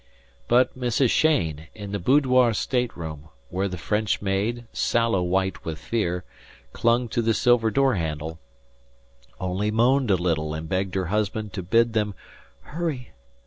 But Mrs. Cheyne, in the boudoir stateroom, where the French maid, sallow white with fear, clung to the silver door handle, only moaned a little and begged her husband to bid them "hurry."